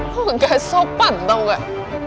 kok gak sopan tau gak